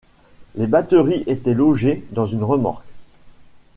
Les batteries étaient logées dans une remorque.